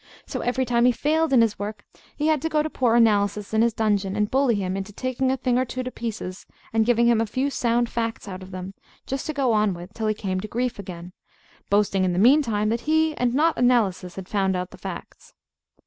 So every time he failed in his work he had to go to poor Analysis in his dungeon, and bully him into taking a thing or two to pieces, and giving him a few sound facts out of them, just to go on with till he came to grief again, boasting in the meantime that he and not Analysis had found out the facts.